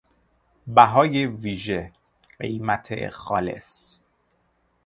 بهای ویژه، قیمت خالص